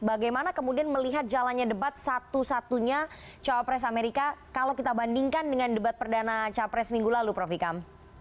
bagaimana kemudian melihat jalannya debat satu satunya cawapres amerika kalau kita bandingkan dengan debat perdana capres minggu lalu prof ikam